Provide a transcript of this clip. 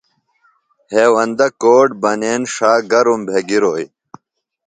ہیوندہ کوٹ بنین ݜا گرُم بھےۡ گِروئی